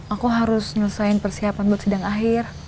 aku harus menyelesaikan persiapan buat sidang akhir